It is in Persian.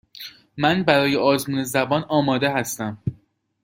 من برای آزمون زبان آماده هستم.